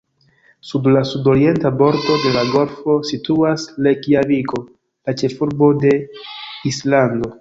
Sur la sud-orienta bordo de la golfo situas Rejkjaviko, la ĉefurbo de Islando.